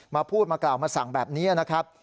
พูดมากล่าวมาสั่งแบบนี้นะครับ